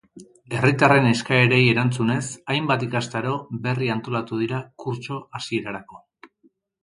Herritarren eskaerei erantzunez, hainbat ikastaro berri antolatu dira kurtso hasierarako.